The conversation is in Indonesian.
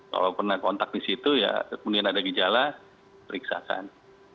kalau pernah kontak di situ ya kemudian ada gejala periksakan